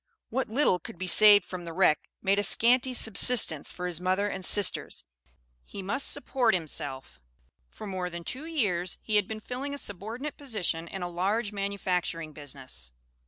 What little could be saved from the wreck made a scanty subsistence for his mother and sisters; he must support himself. For more than two years he had been filling a subordinate position in a large manufacturing business.